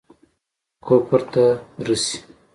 کفر ته رسي.